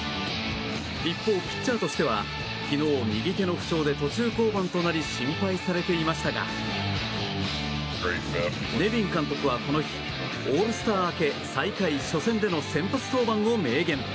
一方、ピッチャーとしては昨日、右手の負傷で途中降板となり心配されていましたがネビン監督はこの日オールスター明け、再開初戦での先発登板を明言。